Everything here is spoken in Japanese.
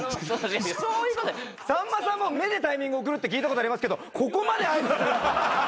さんまさんも目でタイミング送るって聞いたことありますけどここまで合図。